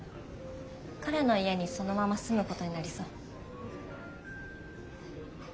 彼の家にそのまま住むことになりそう。